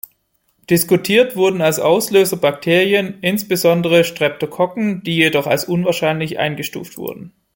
Diskutiert wurden als Auslöser Bakterien, insbesondere Streptokokken, die jedoch als unwahrscheinlich eingestuft wurden.